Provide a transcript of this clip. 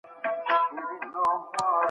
تاسو به د حقايقو لټون وکړئ.